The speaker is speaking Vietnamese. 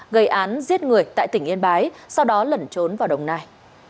gây án giết người tại tỉnh yên bái sau đó lẩn trốn vào đồng nai